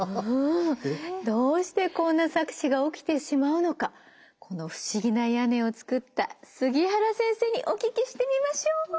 どうしてこんな錯視が起きてしまうのかこの不思議な屋根を作った杉原先生にお聞きしてみましょう。